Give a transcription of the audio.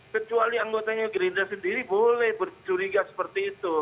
kecuali anggotanya gerindra sendiri boleh bercuriga seperti itu